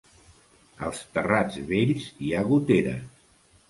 Als terrats vells hi ha goteres.